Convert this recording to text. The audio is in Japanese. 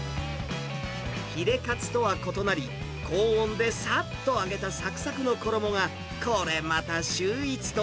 ヒレかつとは異なり、高温でさっと揚げたさくさくの衣が、これまた秀逸と、